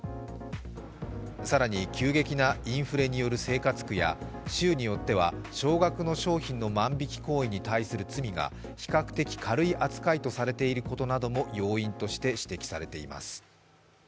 更に急激なインフレによる生活苦や州によっては少額の商品の万引き行為に対する罪が比較的軽い扱いとされていることなども要因として指摘されています。